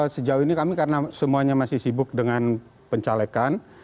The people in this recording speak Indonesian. sejauh ini kami karena semuanya masih sibuk dengan pencalekan